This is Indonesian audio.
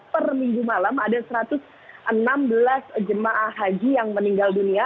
per minggu malam ada satu ratus enam belas jemaah haji yang meninggal dunia